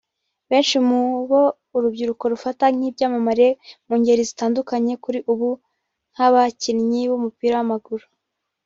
Benshi mu bo urubyiruko rufata nk’ibyamamare mu ngeri zitandukanye kuri ubu nk’abakinnyi b’umupira w’amaguru